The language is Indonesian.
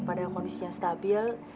pada kondisi yang stabil